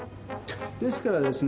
ですからですね